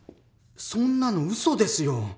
そんなのウソですよ！